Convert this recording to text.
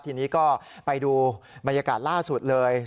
ทีนี้ก็ไปดูบรรยากาศล่าสุดเลย